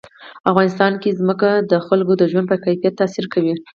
افغانستان کې ځمکه د خلکو د ژوند په کیفیت تاثیر کوي.